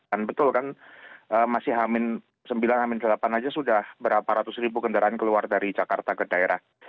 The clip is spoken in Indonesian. kan betul kan masih hamin sembilan hamin delapan aja sudah berapa ratus ribu kendaraan keluar dari jakarta ke daerah